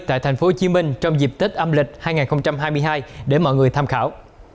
tại thành phố hồ chí minh trong dịp tết âm lịch hai nghìn hai mươi hai để mọi người tham khảo